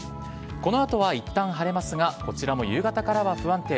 このあとはいったん晴れますが、こちらも夕方からは不安定。